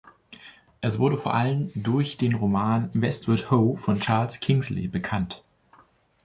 Es wurde vor allem durch den Roman "Westward Ho" von Charles Kingsley bekannt.